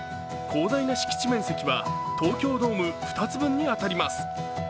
広大な敷地面積は東京ドーム２つ分に当たります。